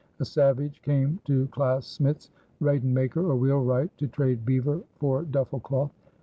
A savage came to Claes Smits, radenmaker or wheelwright, to trade beaver for duffel cloth.